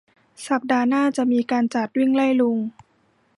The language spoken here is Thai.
สัปดาห์หน้าจะมีการจัด วิ่งไล่ลุง